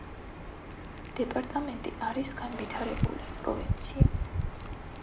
დეპარტამენტი არის განვითარებული პროვინცია.